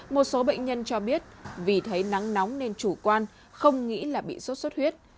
một số bệnh nhân cho biết vì thấy nắng nóng nên chủ quan không nghĩ là bị sốt xuất huyết